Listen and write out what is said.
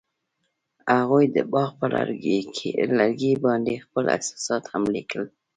هغوی د باغ پر لرګي باندې خپل احساسات هم لیکل.